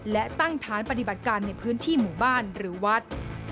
และตั้งฐานปฏิบัติการในพื้นที่หมู่บ้านหรือวัด